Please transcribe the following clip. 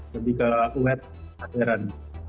lebih ke kuat hadiran